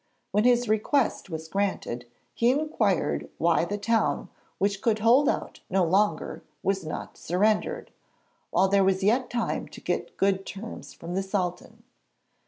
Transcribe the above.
When his request was granted, he inquired why the town, which could hold out no longer, was not surrendered, while there was yet time to get good terms from the Sultan.